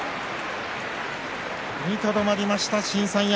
踏みとどまりました新三役。